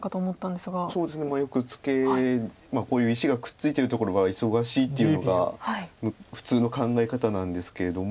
そうですねよくツケこういう石がくっついてるところが忙しいっていうのが普通の考え方なんですけれども。